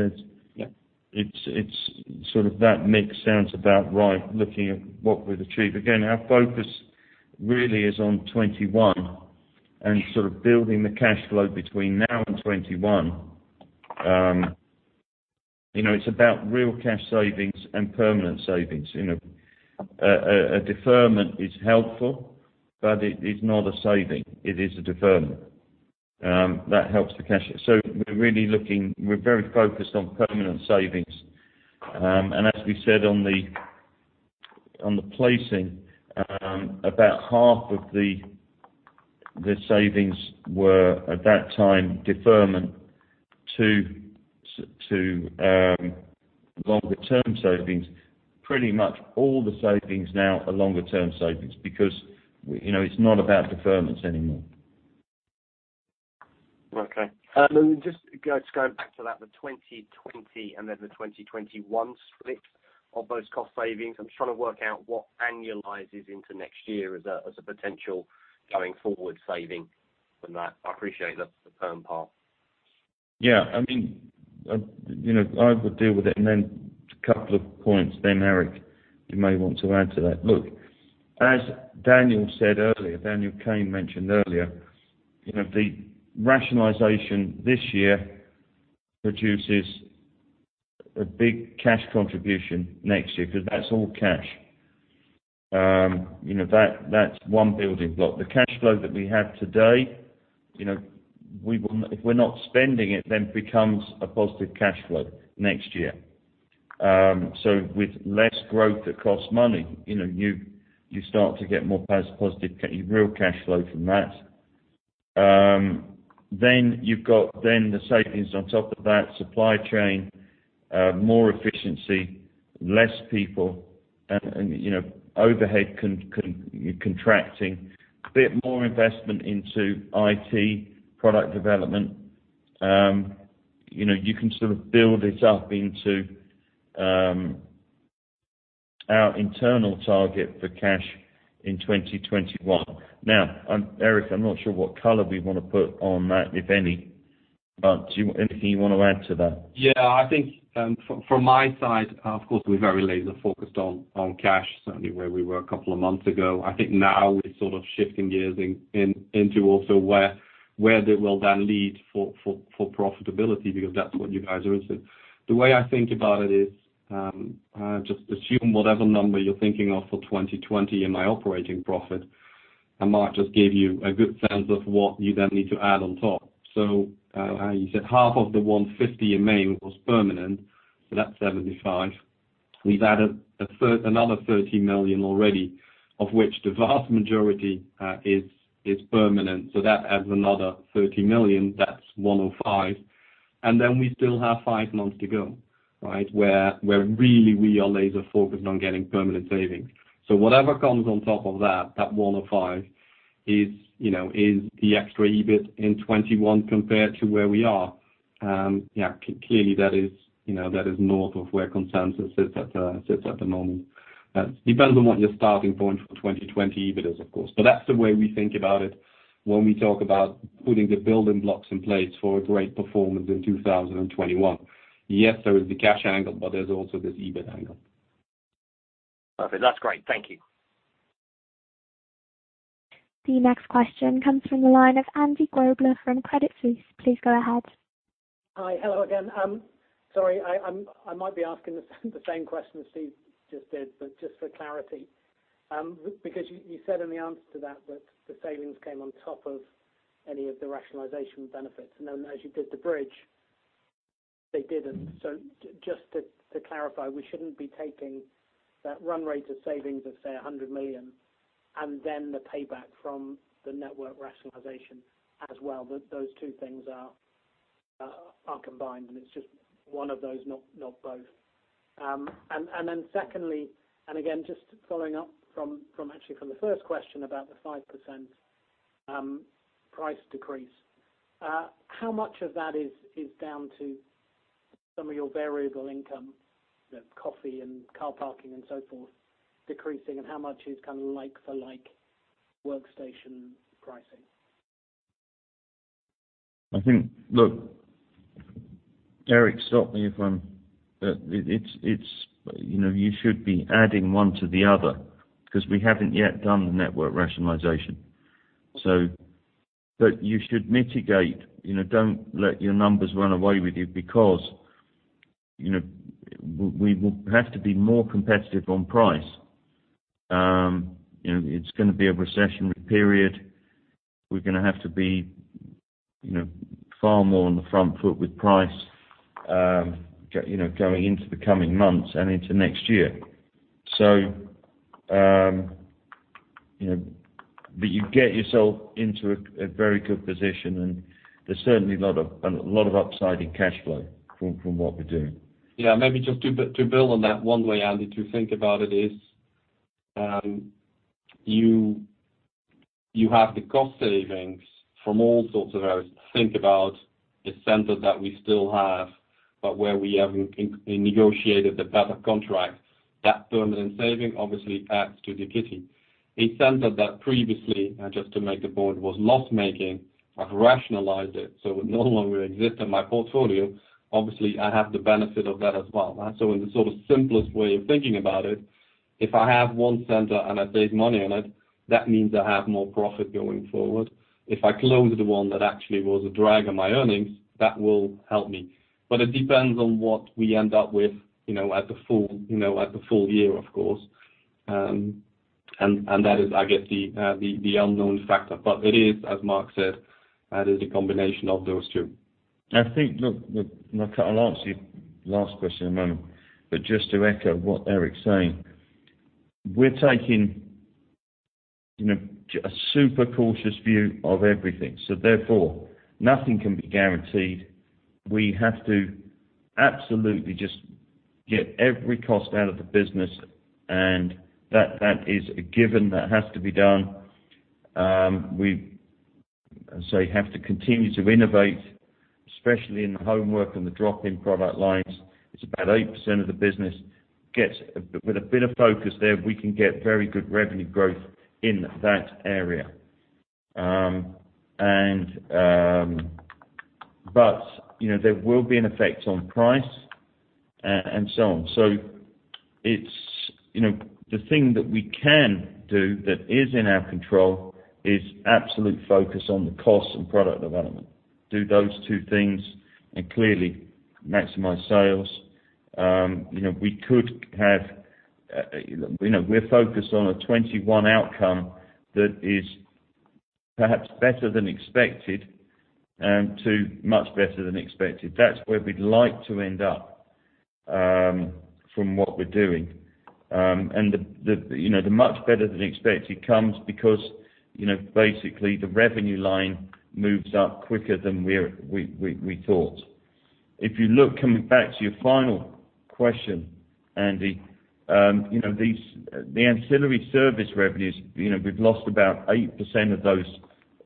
S2: it's sort of that mix sounds about right, looking at what we've achieved. Again, our focus really is on 2021 and sort of building the cash flow between now and 2021. It's about real cash savings and permanent savings. A deferment is helpful, but it is not a saving. It is a deferment. That helps the cash. We're very focused on permanent savings. As we said on the placing, about half of the savings were, at that time, deferment to longer term savings. Pretty much all the savings now are longer term savings because it's not about deferments anymore.
S8: Okay. Let me just go back to that, the 2020 and then the 2021 split of those cost savings. I'm just trying to work out what annualizes into next year as a potential going forward saving from that. I appreciate that's the firm part.
S2: Yeah. I would deal with it, then a couple of points Eric, you may want to add to that. Look, as Daniel said earlier, Daniel Cane mentioned earlier, the rationalization this year produces a big cash contribution next year because that's all cash. That's one building block. The cash flow that we have today, if we're not spending it, then it becomes a positive cash flow next year. With less growth that costs money, you start to get more real cash flow from that. You've got the savings on top of that supply chain, more efficiency, less people, and overhead contracting. A bit more investment into IT product development. You can sort of build it up into our internal target for cash in 2021. Now, Eric, I'm not sure what color we want to put on that, if any. Anything you want to add to that?
S3: Yeah, I think from my side, of course, we're very laser-focused on cash, certainly where we were a couple of months ago. I think now we're sort of shifting gears into also where that will then lead for profitability, because that's what you guys are interested in. The way I think about it is just assume whatever number you're thinking of for 2020 in my operating profit, and Mark just gave you a good sense of what you then need to add on top. You said half of the 150 in May was permanent, so that's 75. We've added another 30 million already, of which the vast majority is permanent. That adds another 30 million, that's 105. We still have five months to go. Where really we are laser-focused on getting permanent savings. Whatever comes on top of that 105 is the extra EBIT in 2021 compared to where we are. Clearly that is north of where consensus sits at the moment. Depends on what your starting point for 2020 EBIT is, of course. That's the way we think about it when we talk about putting the building blocks in place for a great performance in 2021. Yes, there is the cash angle, but there's also this EBIT angle.
S8: Perfect. That's great. Thank you.
S1: The next question comes from the line of Andy Grobler from Credit Suisse. Please go ahead.
S5: Hi. Hello again. Sorry, I might be asking the same question as Steve just did, but just for clarity. You said in the answer to that the savings came on top of any of the rationalization benefits. As you did the bridge, they didn't. Just to clarify, we shouldn't be taking that run rate of savings of, say, 100 million, and then the payback from the network rationalization as well. Those two things are combined, and it's just one of those, not both. Secondly, and again, just following up from actually from the first question about the 5% price decrease. How much of that is down to some of your variable income, coffee and car parking and so forth decreasing? How much is like-for-like workstation pricing?
S2: I think, look, Eric. You should be adding one to the other because we haven't yet done the network rationalization. You should mitigate. Don't let your numbers run away with you because we will have to be more competitive on price. It's going to be a recessionary period. We're going to have to be far more on the front foot with price going into the coming months and into next year. You get yourself into a very good position, and there's certainly a lot of upside in cash flow from what we're doing.
S3: Maybe just to build on that one way, Andy, to think about it is you have the cost savings from all sorts of areas. Think about the centers that we still have, but where we haven't negotiated the better contract. That permanent saving obviously adds to the kitty. A center that previously, just to make the board, was loss-making, I've rationalized it, so it no longer exists in my portfolio. Obviously, I have the benefit of that as well. In the sort of simplest way of thinking about it, if I have one center and I save money on it, that means I have more profit going forward. If I close the one that actually was a drag on my earnings, that will help me. It depends on what we end up with at the full year, of course. That is, I guess, the unknown factor. It is, as Mark said, that is a combination of those two.
S2: I think, look, I'll answer your last question in a moment. Just to echo what Eric's saying, we're taking a super cautious view of everything, so therefore, nothing can be guaranteed. We have to absolutely just get every cost out of the business, and that is a given that has to be done. We have to continue to innovate, especially in the homework and the drop-in product lines. It's about 8% of the business. With a bit of focus there, we can get very good revenue growth in that area. There will be an effect on price and so on. The thing that we can do that is in our control is absolute focus on the costs and product development. Do those two things and clearly maximize sales. We're focused on a 2021 outcome that is perhaps better than expected to much better than expected. That's where we'd like to end up from what we're doing. The much better than expected comes because basically the revenue line moves up quicker than we thought. If you look, coming back to your final question, Andy, the ancillary service revenues, we've lost about 8% of those,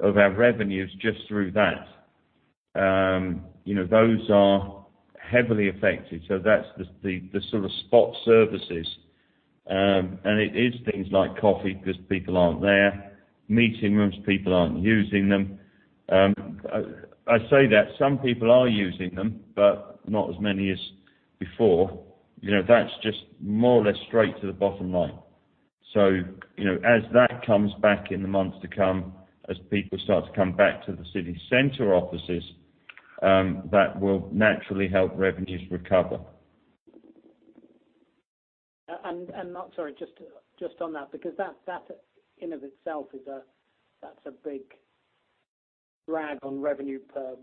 S2: of our revenues just through that. Those are heavily affected. That's the sort of spot services. It is things like coffee because people aren't there, meeting rooms, people aren't using them. I say that, some people are using them, but not as many as before. That's just more or less straight to the bottom line. As that comes back in the months to come, as people start to come back to the city center offices, that will naturally help revenues recover.
S5: Mark, sorry, just on that, because that in of itself is a big drag on revenue per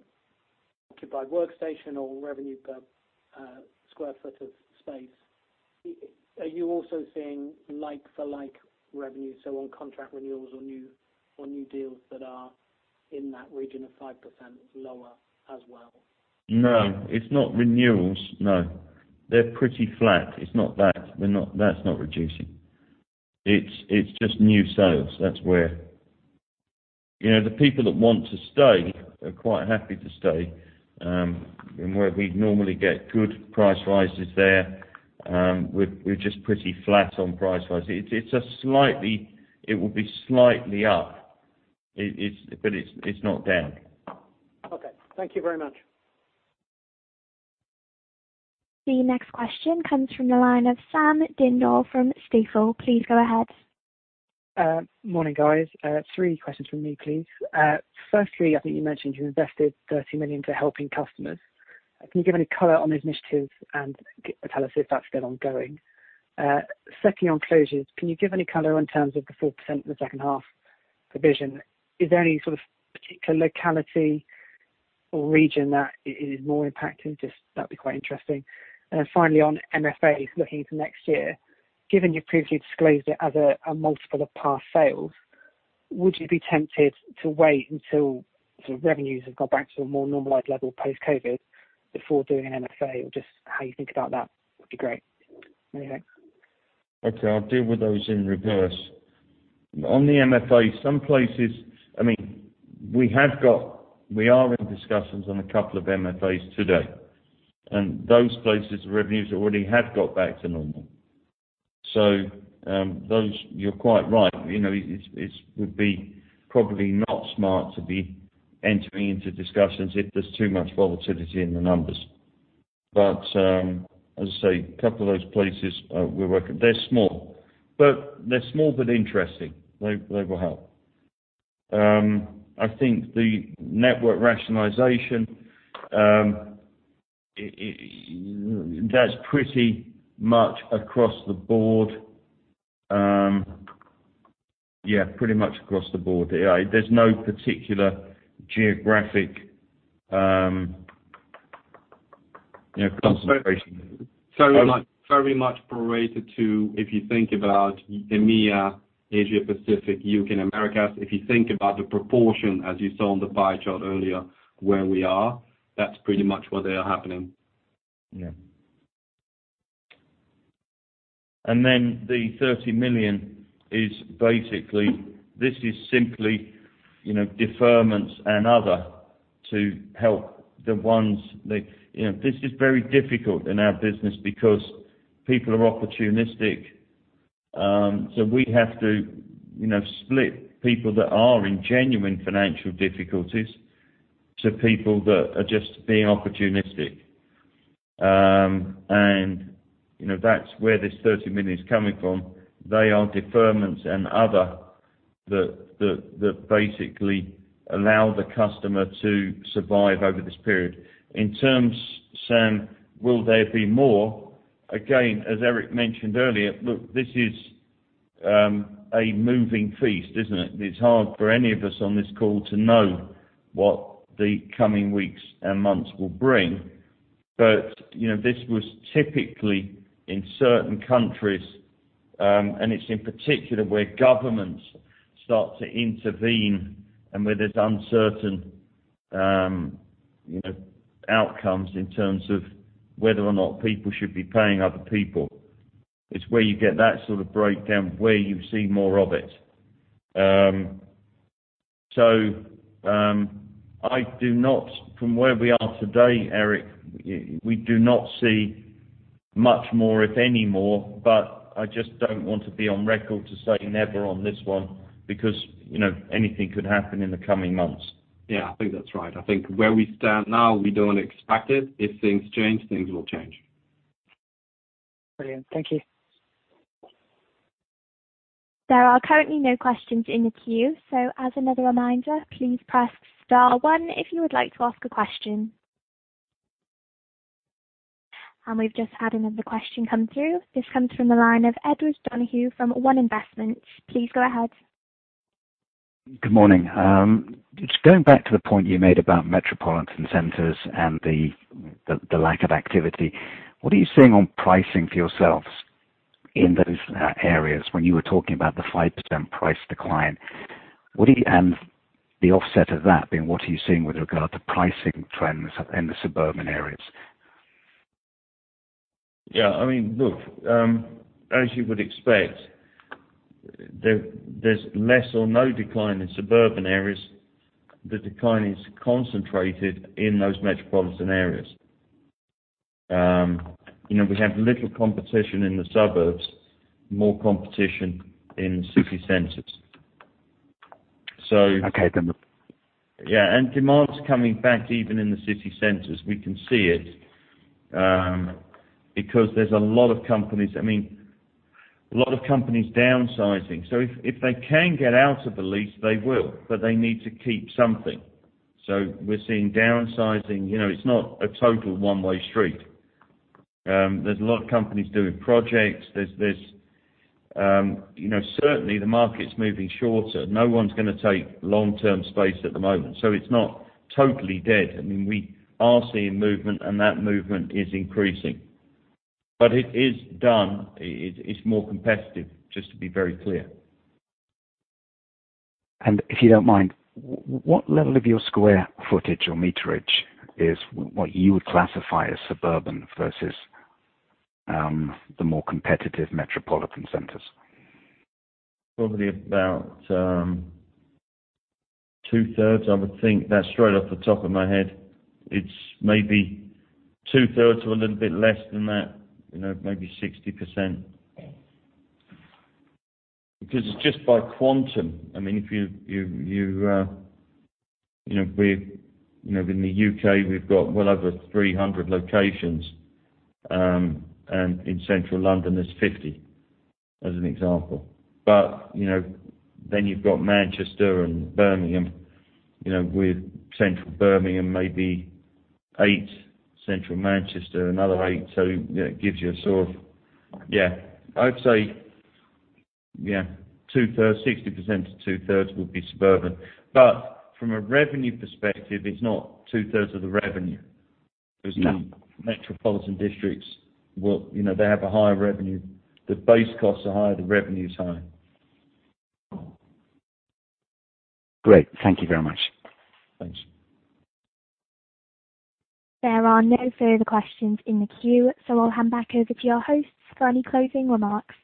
S5: occupied workstation or revenue per square foot of space. Are you also seeing like-for-like revenue, so on contract renewals or new deals that are in that region of 5% lower as well?
S2: No, it's not renewals. No. They're pretty flat. It's not that. That's not reducing. It's just new sales. The people that want to stay are quite happy to stay. Where we'd normally get good price rises there, we're just pretty flat on price rises. It will be slightly up, but it's not down.
S5: Okay. Thank you very much.
S1: The next question comes from the line of Sam Dindol from Stifel. Please go ahead.
S9: Morning, guys. Three questions from me, please. Firstly, I think you mentioned you invested 30 million into helping customers. Can you give any color on the initiatives and tell us if that's still ongoing? Secondly, on closures, can you give any color in terms of the 4% in the second half provision? Is there any sort of particular locality or region that it is more impacted? Just that'd be quite interesting. Finally on MFAs, looking to next year, given you previously disclosed it as a multiple of past sales, would you be tempted to wait until sort of revenues have gone back to a more normalized level post-COVID before doing an MFA? Just how you think about that would be great. Over to you.
S2: Okay, I'll deal with those in reverse. On the MFA, we are in discussions on a couple of MFAs today, and those places the revenues already have got back to normal. You're quite right. It would be probably not smart to be entering into discussions if there's too much volatility in the numbers. As I say, a couple of those places we're working, they're small. They're small but interesting. They will help. I think the network rationalization, that's pretty much across the board. Yeah, pretty much across the board. There's no particular geographic concentration.
S3: Very much related to if you think about EMEA, Asia Pacific, U.K., and Americas, if you think about the proportion as you saw on the pie chart earlier where we are, that's pretty much where they are happening.
S2: Yeah. The 30 million is basically, this is simply deferments and other to help the ones that. This is very difficult in our business because people are opportunistic. We have to split people that are in genuine financial difficulties to people that are just being opportunistic. That's where this 30 million is coming from. They are deferments and other that basically allow the customer to survive over this period. In terms, Sam, will there be more? As Eric mentioned earlier, look, this is a moving feast, isn't it? It's hard for any of us on this call to know what the coming weeks and months will bring. This was typically in certain countries, and it's in particular where governments start to intervene and where there's uncertain outcomes in terms of whether or not people should be paying other people. It's where you get that sort of breakdown where you see more of it. From where we are today, Eric, we do not see much more, if any more, but I just don't want to be on record to say never on this one because anything could happen in the coming months.
S3: Yeah, I think that's right. I think where we stand now, we don't expect it. If things change, things will change.
S9: Brilliant. Thank you.
S1: There are currently no questions in the queue. As another reminder, please press star one if you would like to ask a question. We've just had another question come through. This comes from the line of Edward Donohue from One Investments. Please go ahead.
S10: Good morning. Just going back to the point you made about metropolitan centers and the lack of activity. What are you seeing on pricing for yourselves in those areas when you were talking about the 5% price decline? The offset of that being, what are you seeing with regard to pricing trends in the suburban areas?
S2: Look, as you would expect, there's less or no decline in suburban areas. The decline is concentrated in those metropolitan areas. We have little competition in the suburbs, more competition in city centers.
S10: Okay.
S2: Yeah. Demand's coming back even in the city centers. We can see it because there's a lot of companies downsizing. If they can get out of the lease, they will, but they need to keep something. We're seeing downsizing. It's not a total one-way street. There's a lot of companies doing projects. Certainly, the market's moving shorter. No one's going to take long-term space at the moment, so it's not totally dead. We are seeing movement, and that movement is increasing. It is done. It's more competitive, just to be very clear.
S10: If you don't mind, what level of your square footage or meterage is what you would classify as suburban versus the more competitive metropolitan centers?
S2: Probably about 2/3, I would think. That's straight off the top of my head. It's maybe 2/3 or a little bit less than that, maybe 60%. It's just by quantum. In the U.K., we've got well over 300 locations, and in central London, there's 50, as an example. Then you've got Manchester and Birmingham, with Central Birmingham maybe eight, Central Manchester another eight. I would say 60% to 2/3 would be suburban. From a revenue perspective, it's not 2/3 of the revenue.
S10: Yeah.
S2: The metropolitan districts, they have a higher revenue. The base costs are higher, the revenue is higher.
S10: Great. Thank you very much.
S2: Thanks.
S1: There are no further questions in the queue. I'll hand back over to your host for any closing remarks.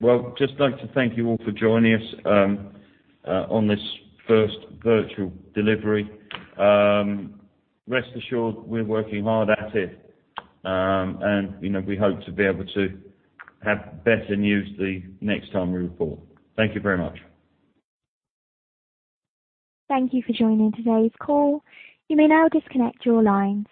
S2: Well, just like to thank you all for joining us on this first virtual delivery. Rest assured, we're working hard at it. We hope to be able to have better news the next time we report. Thank you very much.
S1: Thank you for joining today's call. You may now disconnect your lines.